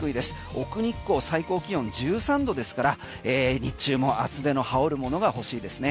奥日光、最高気温１３度ですから日中も厚手の羽織るものが欲しいですね。